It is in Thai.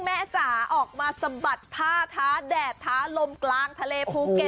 จ๋าออกมาสะบัดผ้าท้าแดดท้าลมกลางทะเลภูเก็ต